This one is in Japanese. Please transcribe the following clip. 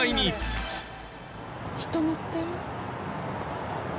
「人のってる？」